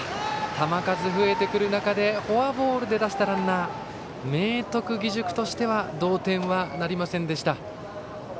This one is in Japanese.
球数が増えてくる中でフォアボールで出したランナー明徳義塾としては同点はなりませんでした。